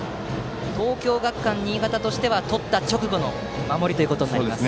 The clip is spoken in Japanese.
東京学館新潟としては取った直後の守りとなります。